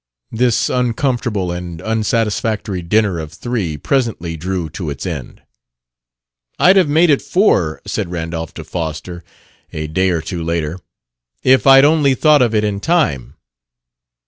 This uncomfortable and unsatisfactory dinner of three presently drew to its end. "I'd have made it four," said Randolph to Foster, a day or two later, "if I'd only thought of it in time."